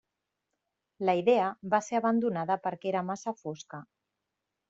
La idea va ser abandonada perquè era massa fosca.